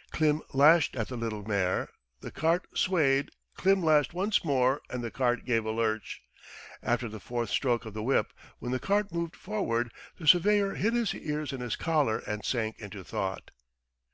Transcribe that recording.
..." Klim lashed at the little mare. The cart swayed. Klim lashed once more and the cart gave a lurch. After the fourth stroke of the whip when the cart moved forward, the surveyor hid his ears in his collar and sank into thought.